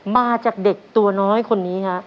มาจากเด็กตัวน้อยคนนี้ฮะ